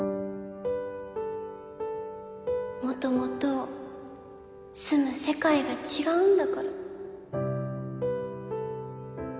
元々住む世界が違うんだから